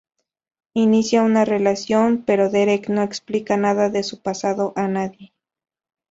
Inician una relación, pero Derek no explica nada de su pasado a nadie.